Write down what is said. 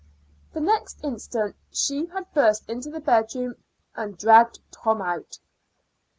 The next instant she had burst into the bedroom and dragged Tom out.